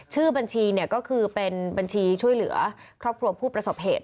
ชื่อบัญชีก็คือเป็นบัญชีช่วยเหลือครอบครัวผู้ประสบเหตุ